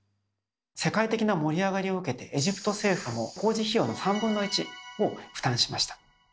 世界的な盛り上がりを受けてエジプト政府も工事費用の３分の１を負担しました。